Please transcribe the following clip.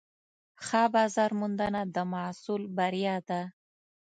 ښه بازارموندنه د محصول بریا ده.